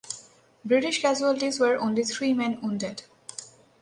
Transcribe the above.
British casualties were only three men wounded.